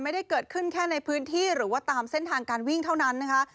ไม่ได้เกิดขึ้นแค่ในพื้นที่หรือว่าตามเส้นทางการวิ่งเท่านั้นนะคะ